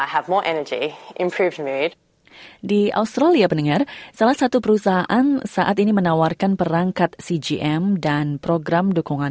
dari produsen yang memproduksi perangkat semacam ini